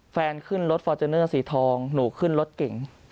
ขึ้นรถฟอร์จูเนอร์สีทองหนูขึ้นรถเก่ง